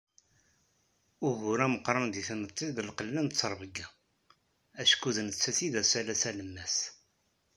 Ugur ameqqran di tmetti d lqella n tterbiya, acku d nettat i d asalas alemmas.